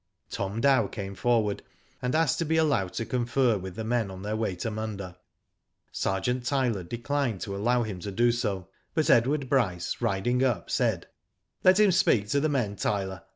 Tom Dow came forward, and asked to be allowed to confer with the men on their way to Munda. Sergeant Tyler declined to allow hini to do so, but Edward Bryce, ridiAg up, said :" Let him speak to the men, Tyler.